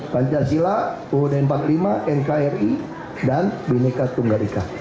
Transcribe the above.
pancasila uud empat puluh lima nkri dan binika tunggal ikan